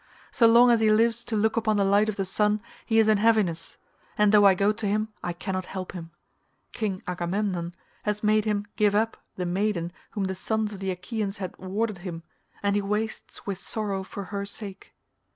So long as he lives to look upon the light of the sun, he is in heaviness, and though I go to him I cannot help him; King Agamemnon has made him give up the maiden whom the sons of the Achaeans had awarded him, and he wastes with sorrow for her sake.